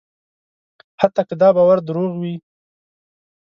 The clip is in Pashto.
حتی که دا باور دروغ وي.